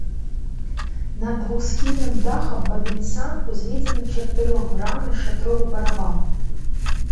Над двухсхільным дахам бабінца ўзведзены чатырохгранны шатровы барабан.